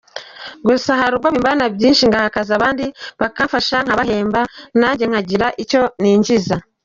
Gusa hari ubwo bimbana byinshi ngaha akazi abandi bakamfasha nkabahemba, nanjye nkagira icyo ninjiza.